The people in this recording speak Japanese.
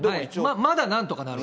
まだなんとかなる。